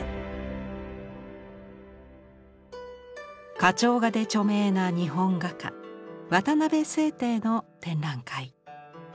花鳥画で著名な日本画家渡辺省亭の展覧会。